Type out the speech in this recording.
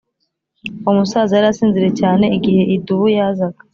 uwo musaza yari asinziriye cyane igihe idubu yazaga.